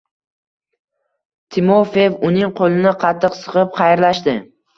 Timofeev uning qoʻlini qattiq siqib xayrlashdi.